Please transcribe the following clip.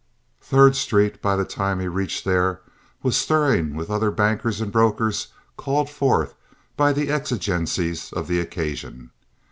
Third Street, by the time he reached there, was stirring with other bankers and brokers called forth by the exigencies of the occasion.